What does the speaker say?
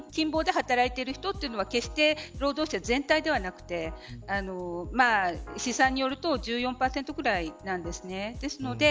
というのは決して労働者全体ではなくて試算によると１４％ぐらいなんです。